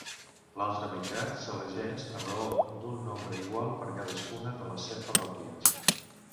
L'altra meitat s'elegeix a raó d'un nombre igual per cadascuna de les set parròquies.